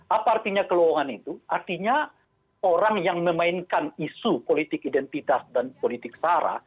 apa artinya kelowongan itu artinya orang yang memainkan isu politik identitas dan politik sara